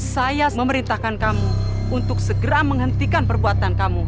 saya memerintahkan kamu untuk segera menghentikan perbuatan kamu